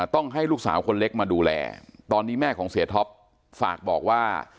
ต้องให้ลูกสาวคนเล็กมาดูแลตอนนี้แม่ของเสียท็อปฝากบอกว่า